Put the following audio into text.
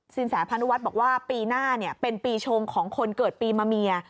แสพนุวัฒน์บอกว่าปีหน้าเป็นปีชงของคนเกิดปีมะเมีย